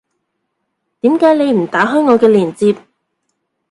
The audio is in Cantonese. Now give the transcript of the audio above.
點解你唔打開我嘅鏈接